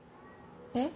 えっ？